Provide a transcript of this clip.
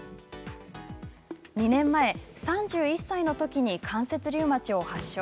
２年前、３１歳のときに関節リウマチを発症。